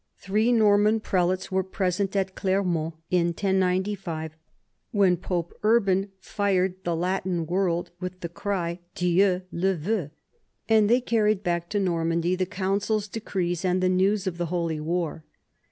Three Norman prelates were present at Clermont in 1095 when Pope Urban fired the Latin world with the cry Dieu le veut, and they carried back to Normandy the council's decrees and the news of the holy war.